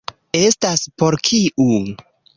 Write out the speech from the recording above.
Estas por kiu?